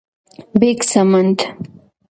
-بیک سمند: